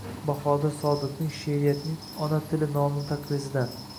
Bahodir Sodiqning “She’riyatning ona tili” nomli taqrizidan: